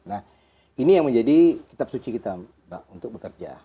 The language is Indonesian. nah ini yang menjadi kitab suci kita untuk bekerja